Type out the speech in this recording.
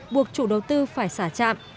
buộc chủ đầu tư phải xả trạm